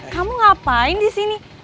kamu ngapain disini